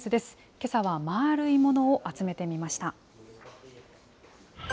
けさは、まあるいものを集めてみました。